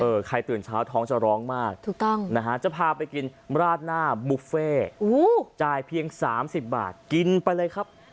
ใครตื่นเช้าท้องจะร้องมากถูกต้องนะฮะจะพาไปกินราดหน้าบุฟเฟ่จ่ายเพียงสามสิบบาทกินไปเลยครับ